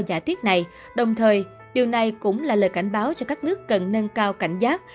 giả thuyết này đồng thời điều này cũng là lời cảnh báo cho các nước cần nâng cao cảnh giác